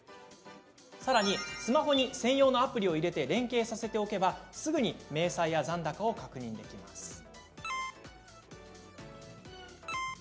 さらに、スマホに専用のアプリを入れて連携させておけば、すぐに明細や残高を確認できるんです。